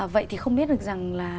vậy thì không biết được rằng là